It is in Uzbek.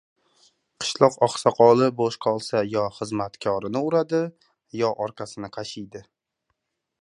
• Qishloq oqsoqoli bo‘sh qolsa yo xizmatkorini uradi, yo orqasini qashiydi.